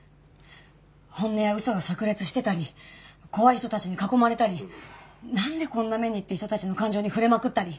本音や嘘が炸裂してたり怖い人たちに囲まれたり「なんでこんな目に」って人たちの感情に触れまくったり。